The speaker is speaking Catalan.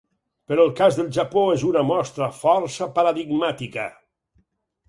Però el cas del Japó és una mostra força paradigmàtica.